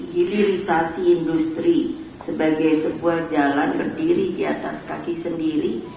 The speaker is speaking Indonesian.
hilirisasi industri sebagai sebuah jalan berdiri di atas kaki sendiri